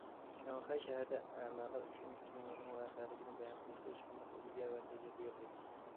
شاڭخەي شەھىرىدە ئەمالار ئۈچۈن كىنونىڭ ۋەقەلىكىنى بايان قىلىشتا ھېچقانداق ئۈلگە ۋە تەجرىبە يوق ئىدى.